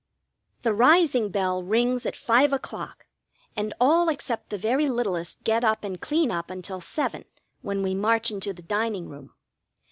The rising bell rings at five o'clock, and all except the very littlest get up and clean up until seven, when we march into the dining room.